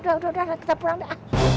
udah udah udah kita pulang dah